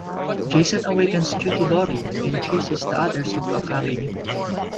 Jason awakens due to Lori and chases the others into a cabin.